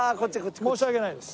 申し訳ないです。